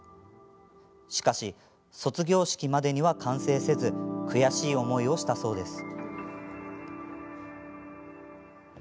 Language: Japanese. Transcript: しかし、卒業式までには完成せず悔しい思いをしたそうです。